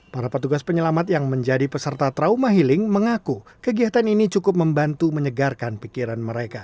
para petugas penyelamat yang menjadi peserta trauma healing mengaku kegiatan ini cukup membantu menyegarkan pikiran mereka